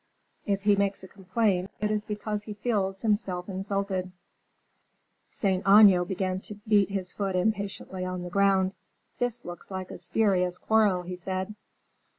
If he makes a complaint, it is because he feels himself insulted." Saint Aignan began to beat his foot impatiently on the ground. "This looks like a spurious quarrel," he said.